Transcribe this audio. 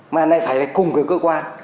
mà lại phải cùng cơ quan